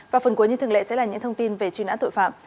và phần cuối như thường lệ sẽ là những thông tin về truy nã tội phạm